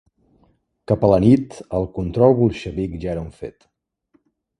Cap a la nit, el control bolxevic ja era un fet.